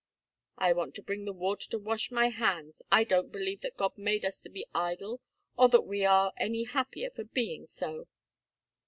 I want to bring the water to wash my hands. I don't believe that God made us to be idle, or that we are any happier for being so."